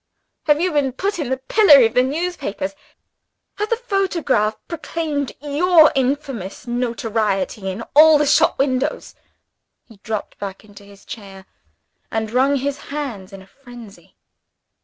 Have you been put in the pillory of the newspapers? Has the photograph proclaimed your infamous notoriety in all the shop windows?" He dropped back into his chair, and wrung his hands in a frenzy.